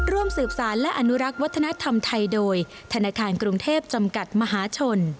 ร่วมสืบสารและอนุรักษ์วัฒนธรรมไทยโดยธนาคารกรุงเทพจำกัดมหาชน